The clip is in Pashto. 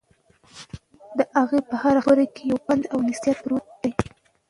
د هغه په هره خبره کې یو پند او نصیحت پروت دی.